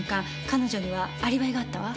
彼女にはアリバイがあったわ。